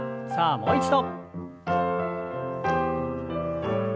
もう一度。